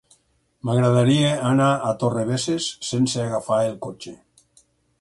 M'agradaria anar a Torrebesses sense agafar el cotxe.